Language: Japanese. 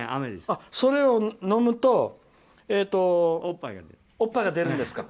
それを飲むとおっぱいが出るんですか。